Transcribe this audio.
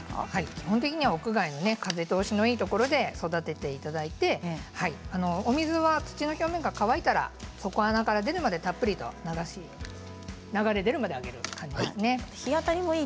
基本的には屋外の風通しのいいところで育てていただいてお水は土の表面が乾いたら底穴から出るまでたっぷりと流れ出るまであげてください。